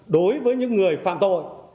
đối với những người phạm tội